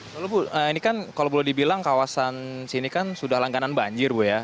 lalu bu ini kan kalau boleh dibilang kawasan sini kan sudah langganan banjir bu ya